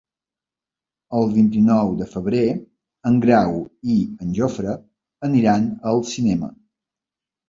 El vint-i-nou de febrer en Grau i en Jofre aniran al cinema.